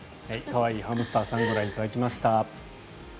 可愛いハムスターさんをご覧いただきました。